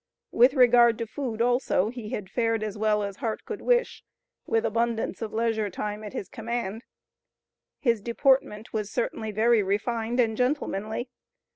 With regard to food also, he had fared as well as heart could wish, with abundance of leisure time at his command. His deportment was certainly very refined and gentlemanly.